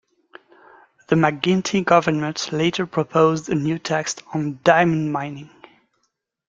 The McGuinty government later proposed a new tax on diamond mining.